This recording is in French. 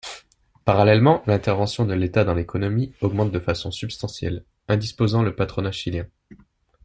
Parallèlement, l’intervention de l’État dans l’économie augmente de façon substantielle, indisposant le patronat chilien.